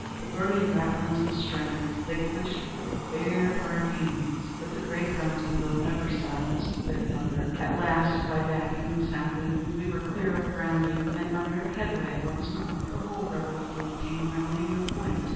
The burning ratlins and strands They quenched with their bare hard hands. But the great guns below Never silenced their thunder. "At last, by backing and sounding, When we were clear of grounding, And under headway once more, The whole Rebel fleet came rounding The point.